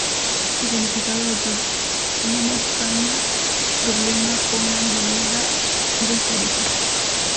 El significado del topónimo entraña problemas por la ambigüedad de su origen.